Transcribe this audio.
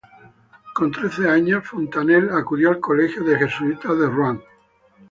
Con trece años, Fontenelle acudió al colegio de jesuítas de Ruán.